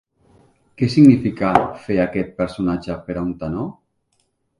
Què significa fer aquest personatge per a un tenor?